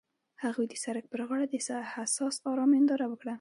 هغوی د سړک پر غاړه د حساس آرمان ننداره وکړه.